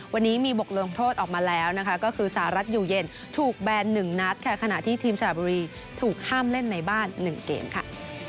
วันนี้มีบทลงโทษออกมาแล้วนะคะก็คือสหรัฐอยู่เย็นถูกแบน๑นัดค่ะขณะที่ทีมสระบุรีถูกห้ามเล่นในบ้าน๑เกมค่ะ